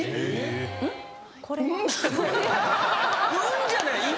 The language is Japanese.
「ん？」じゃない。